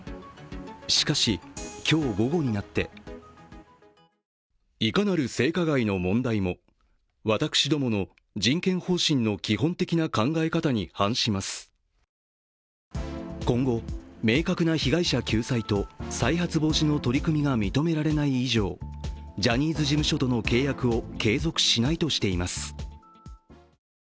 しかし、今日午後になって今後、明確な被害者救済と再発防止の取り組みが認められない以上ジャニーズ事務所との契約を継続しないとしています。